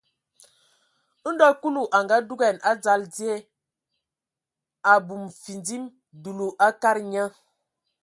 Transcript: Ndo Kulu a ngadugan a dzal die, abum findim, dulu a kadag nye.